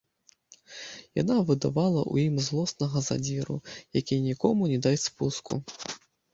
Яна выдавала ў ім злоснага задзіру, які нікому не дасць спуску.